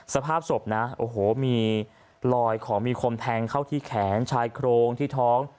สภาพศพนะโอ้โหมีรอยของมีคมแทงเข้าที่แขนชายโครงที่ท้อง